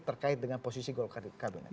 terkait dengan posisi golkar di kabinet